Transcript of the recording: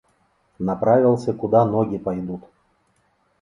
направился куда ноги пойдут.